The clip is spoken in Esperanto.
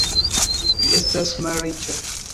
Vi estas malriĉa!